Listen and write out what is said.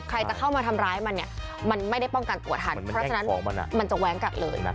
ใครจะเข้ามาทำร้ายมันเนี่ยมันไม่ได้ป้องกันตัวทันเพราะฉะนั้นมันจะแว้งกัดเลย